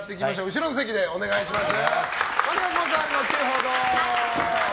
後ろの席でお願いします。